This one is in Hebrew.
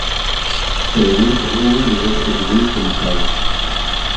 הַיְלָדִים קְרָאוּהוּ לִרְאוֹת אֶת הַגּוּרִים שֶׁל אִיתַי